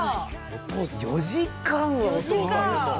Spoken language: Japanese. お父さん４時間はお父さんでも。